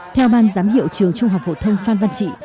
theo ban giám hiệu trường trung học phổ thông phan văn trị